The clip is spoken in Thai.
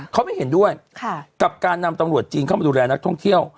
เขาไม่เห็นด้วยกับการนำตำรวจจีนเข้ามาดูแลนักท่องเที่ยว